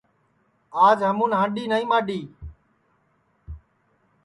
آج ہمُون ہانڈؔی نائی ماڈؔی